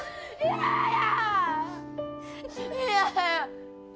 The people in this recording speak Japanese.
嫌や！